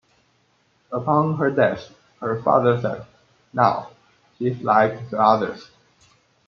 Upon her death, her father said: Now, she's like the others.